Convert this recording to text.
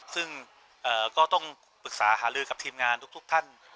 ซึ่งก็ต้องปรึกษาหาลือกับทีมงานทุกท่าน